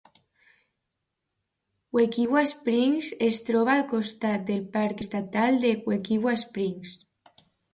Wekiwa Springs es troba al costat del parc estatal de Wekiwa Springs.